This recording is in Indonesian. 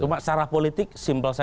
cuma secara politik sepertinya